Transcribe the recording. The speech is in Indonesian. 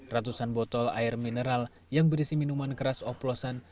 ratusan botol air mineral yang berisi minuman keras oplosan